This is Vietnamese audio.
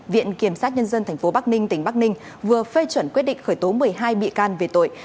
viện kiểm sát nhân dân tp bắc ninh tỉnh bắc ninh vừa phê chuẩn quyết định khởi tố một mươi hai bị can về tội